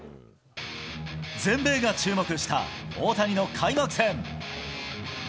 全米が注目した大谷の開幕戦。